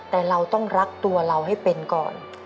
แต่เราต้องรักตัวเราให้เป็นก่อน